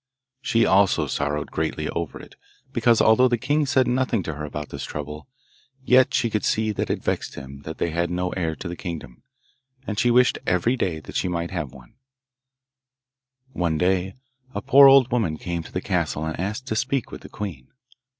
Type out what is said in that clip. She also sorrowed greatly over it, because, although the king said nothing to her about this trouble, yet she could see that it vexed him that they had no heir to the kingdom; and she wished every day that she might have one. One day a poor old woman came to the castle and asked to speak with the queen.